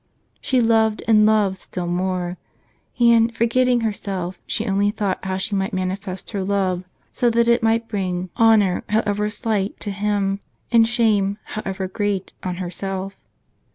She loved and loved still more; and, forgetting herself, she only thought how she might manifest her love, so that it might bring honor, however slight, to Him, and shame, however great, on herself.